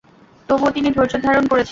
তবুও তিনি ধৈর্যধারণ করেছিলেন।